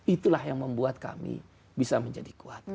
itulah yang membuat kami bisa menjadi kuat